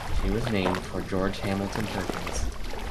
She was named for George Hamilton Perkins.